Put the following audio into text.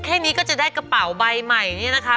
แค่นี้ก็จะได้กระเป๋าใบใหม่นี่นะคะ